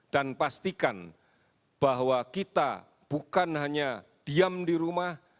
dan pastikan bahwa kita bukan hanya diam di rumah